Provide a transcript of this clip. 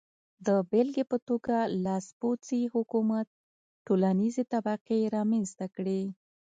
د بېلګې په توګه لاسپوڅي حکومت ټولنیزې طبقې رامنځته کړې.